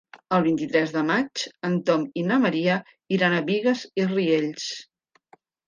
El vint-i-tres de maig en Tom i na Maria iran a Bigues i Riells.